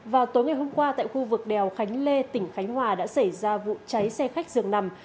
vào tối ngày hôm qua tại khu vực đèo khánh lê tỉnh khánh hòa đã xảy ra vụ cháy xe khách dường nằm